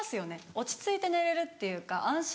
落ち着いて寝れるっていうか安心感。